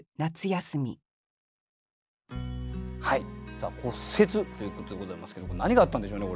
さあ「骨折」ということでございますけど何があったんでしょうね